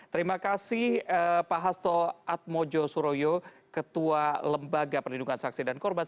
terima kasih pak hasto atmojo suroyo ketua lembaga perlindungan saksi dan korban